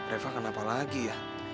reva kenapa lagi ya